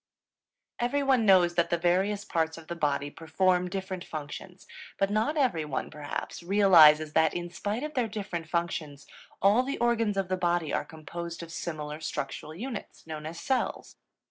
Everyone knows that the various parts of the body perform different functions; but not everyone, perhaps, realizes that, in spite of their different functions, all the organs of the body are composed of similar structural units, known as cells.